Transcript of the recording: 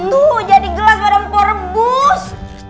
tuh jadi gelas pada mpok rebus